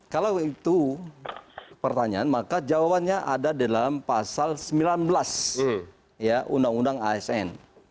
kalau itu pertanyaan maka jawabannya ada dalam pasal sembilan belas undang undang asn